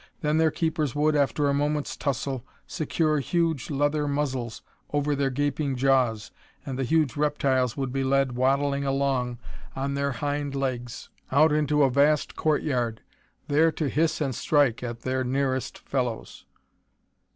Then their keepers would, after a moment's tussle, secure huge leather muzzles over their gaping jaws, and the huge reptiles would be led waddling along on their hind legs out into a vast courtyard, there to hiss and strike at their nearest fellows.